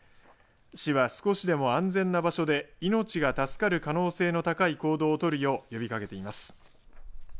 市は、少しでも安全な場所で命が助かる可能性の高い行動を取るよう呼びかけています。